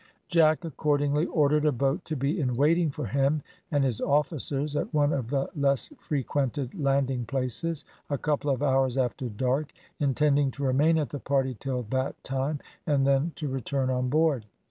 Jack accordingly ordered a boat to be in waiting for him and his officers, at one of the less frequented landing places, a couple of hours after dark, intending to remain at the party till that time, and then to return on board.